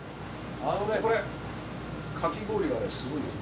あのねこれかき氷がねすごいよ。